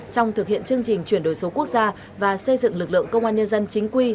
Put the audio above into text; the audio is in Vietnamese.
trong thực hiện chương trình chuyển đổi số quốc gia và xây dựng lực lượng công an nhân dân chính quy